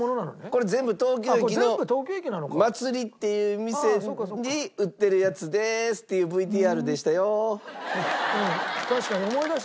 「これ全部東京駅の祭っていう店に売ってるやつです」っていうＶＴＲでしたよ。